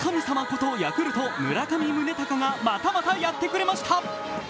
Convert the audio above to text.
ことヤクルト・村上宗隆がまたまたやってくれました。